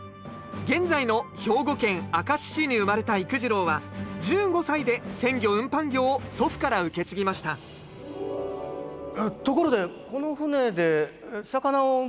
現在の兵庫県明石市に生まれた幾次郎は１５歳で鮮魚運搬業を祖父から受け継ぎましたところでこの船で魚を運搬してたんですかね？